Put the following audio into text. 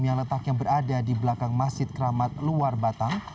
yang letaknya berada di belakang masjid keramat luar batang